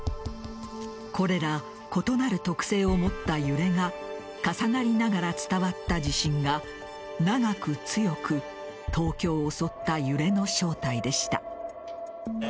これら異なる特性を持った揺れが重なりながら伝わった地震が長く強く東京を襲った揺れの正体でした。